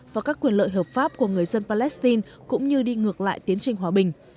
và các quyền lợi hợp pháp của người dân palestine cũng như đi ngược lại tiến trình hòa bình